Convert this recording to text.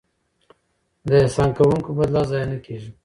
د احسان کوونکو بدله ضایع نه کیږي.